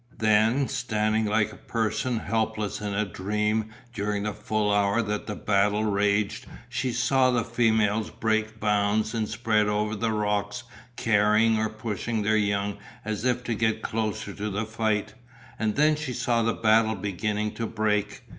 Then, standing like a person helpless in a dream during the full hour that the battle raged, she saw the females break bounds and spread over the rocks carrying or pushing their young as if to get closer to the fight, and then she saw the battle beginning to break.